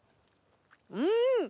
うん！